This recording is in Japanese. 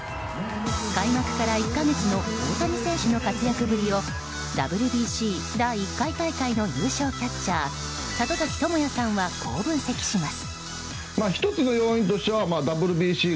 開幕から１か月の大谷選手の活躍ぶりをＷＢＣ第１回大会の優勝キャッチャー里崎智也さんはこう分析します。